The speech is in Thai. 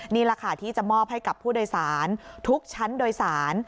นี่แหละค่ะที่จะมอบให้กับผู้โดยสารทุกชั้นโดยสาร